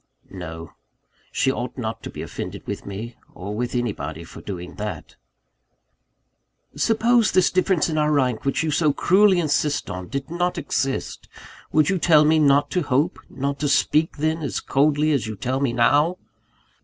No: she ought not to be offended with me, or with anybody, for doing that. "Suppose this difference in rank, which you so cruelly insist on, did not exist, would you tell me not to hope, not to speak then, as coldly as you tell me now?"